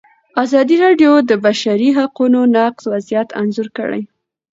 ازادي راډیو د د بشري حقونو نقض وضعیت انځور کړی.